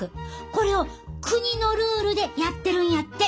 これを国のルールでやってるんやって！